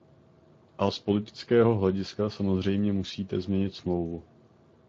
A z politického hlediska samozřejmě musíte změnit Smlouvu.